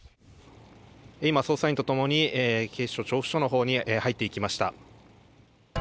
今、捜査員とともに警視庁調布署のほうに入っていきました。